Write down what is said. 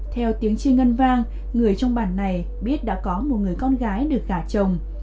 theo tiếng chiêng ngân vang người trong bản này biết đã có một người con gái được gả chồng